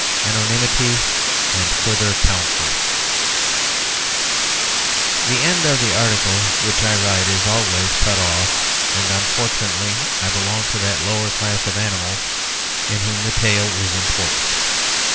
ANONYMITY AND FURTHER COUNSELS The end of the article which I write is always cut off, and, unfortunately, I belong to that lower class of animals in whom the tail is important.